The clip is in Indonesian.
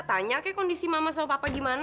tanya ke kondisi mama sama papa gimana